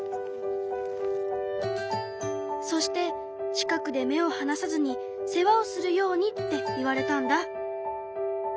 そして近くで目をはなさずに世話をするようにって言われたんだ。